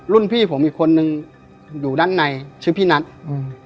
พี่ผมอีกคนนึงอยู่ด้านในชื่อพี่นัทอืม